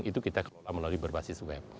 itu kita mengelola berbasis web